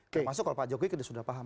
termasuk kalau pak jokowi sudah paham